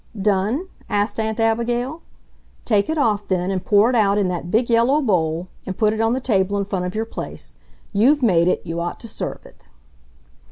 "Done?" asked Aunt Abigail. "Take it off, then, and pour it out in that big yellow bowl, and put it on the table in front of your place. You've made it; you ought to serve it."